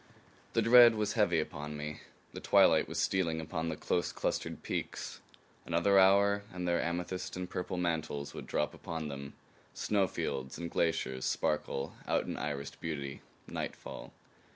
The dread was heavy upon me. The twilight was stealing upon the close clustered peaks. Another hour, and their amethyst and purple mantles would drop upon them; snowfields and glaciers sparkle out in irised beauty; nightfall.